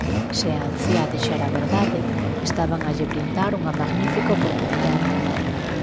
Se a anciá dixera a verdade, estaban a lle brindar unha magnífica oportunidade.